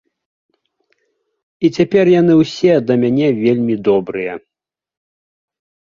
І цяпер яны ўсё да мяне вельмі добрыя!